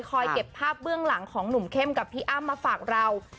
เก็บภาพเบื้องหลังของหนุ่มเข้มกับพี่อ้ำมาฝากเรา